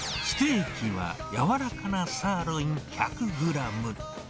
ステーキは柔らかなサーロイン１００グラム。